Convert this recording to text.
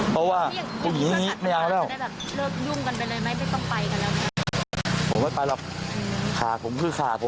เพราะว่าผู้หญิงนี้ไม่เอาแล้ว